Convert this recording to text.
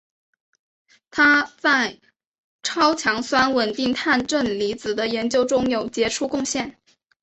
他在超强酸稳定碳正离子的研究中有杰出贡献。